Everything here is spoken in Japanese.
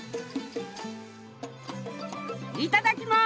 いただきます。